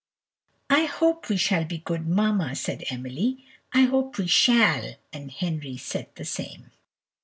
"I hope we shall be good, mamma," said Emily, "I hope we shall!" And Henry said the same.